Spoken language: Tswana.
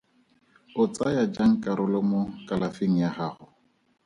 O tsaya jang karolo mo kalafing ya gago?